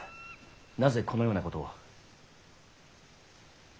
なぜこのようなことを。